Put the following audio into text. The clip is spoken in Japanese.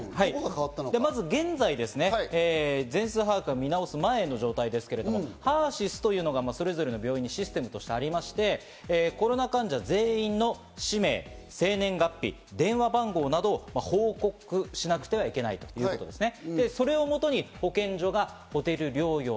まず現在ですね、全数把握を見直す前の状態ですけど、ハーシスというのが、それぞれの病院にシステムとしてありまして、コロナ患者全員の氏名、生年月日、電話番号などを報告しなくてはいけないんですね。